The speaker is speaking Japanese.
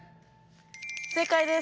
正解です。